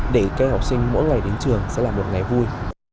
để các em học sinh mỗi ngày đến trường sẽ là một ngày vui